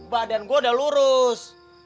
badan gue udah lurus